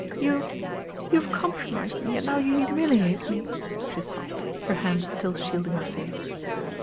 "Ypu've — you've compromised me and now you humiliate me," she sobbed, her hands still shielding her face.